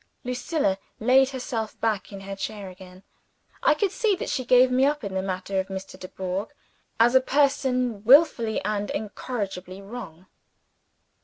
Lucilla laid herself back in her chair again. I could see that she gave me up, in the matter of Mr. Dubourg, as a person willfully and incorrigibly wrong.